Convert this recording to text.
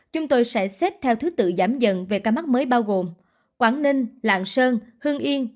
chúng tôi sẽ xếp theo thứ tự giảm dần về ca mắc mới bao gồm quảng ninh lạng sơn hương yên